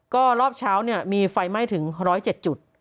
ก็รอบเช้ามีไฟไหม้ถึง๑๐๗จุด